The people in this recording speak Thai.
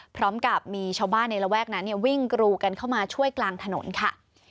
พร้อมกับมีชาวบ้านในระแวกนั้นวิ่งกรูกันเข้ามาช่วยกลางถนนค่ะ